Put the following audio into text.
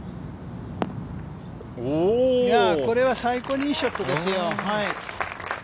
これは最高にいいショットですよ。